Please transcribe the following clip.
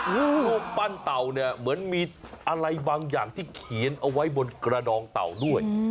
รูปปั้นเต่าเนี่ยเหมือนมีอะไรบางอย่างที่เขียนเอาไว้บนกระดองเต่าด้วย